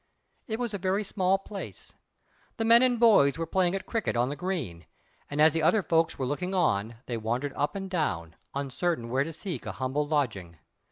It was a very small place. The men and boys were playing at cricket on the green; and as the other folks were looking on, they wandered up and down, uncertain where to seek a humble lodging.